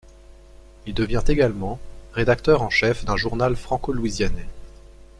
Il devient également rédacteur en chef d'un journal franco-louisianais.